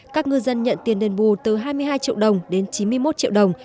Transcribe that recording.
các ngư dân nhận tiền đền bù từ hai mươi hai triệu đồng đến chín mươi một triệu đồng